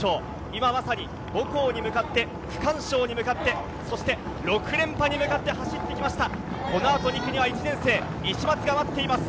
今、まさに母校に向かって、区間賞に向かって、６連覇に向かって走ってきました。